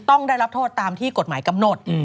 ต้องได้รับโทษตามที่กฎหมายกำหนด